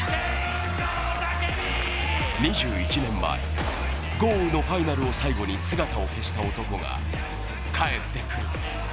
２１年前、ゴールのファイナルで姿を消した男が帰ってくる。